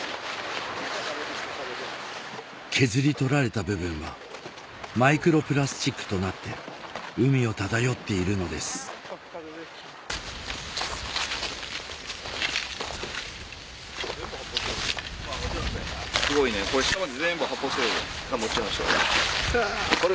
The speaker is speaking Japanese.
削り取られた部分はマイクロプラスチックとなって海を漂っているのですもちろんそうや。